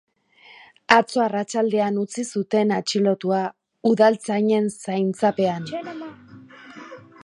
Atzo arratsaldean utzi zuten atxilotua udaltzainen zaintzapean.